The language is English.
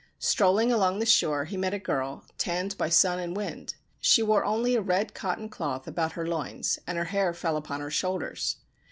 Strolling along the shore, he met a girl, tanned by sun and wind. She wore only a red cotton cloth about her loins, and her hair fell upon her shoulders.